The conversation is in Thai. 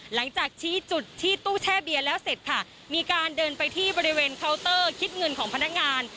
หลังจากชี้จุดที่ตู้แช่เบียร์แล้วเสร็จค่ะมีการเดินไปที่บริเวณเคาน์เตอร์คิดเงินของพนักงาน